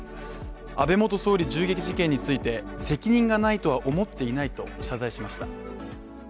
安倍元総理銃撃事件について責任がないとは思っていないと謝罪しました。